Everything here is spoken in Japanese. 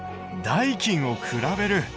「代金を比べる」。